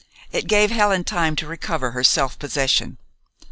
It gave Helen time to recover her self possession.